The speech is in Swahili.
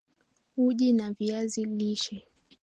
Uji wa viazi lishe